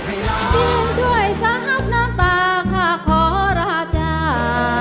จริงจ้วยทราบน้ำตาข้าขอราจารย์